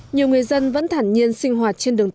nhiều người dân vẫn thẳng nhiên sinh hoạt trên đường sắt